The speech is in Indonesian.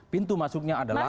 pintu masuknya adalah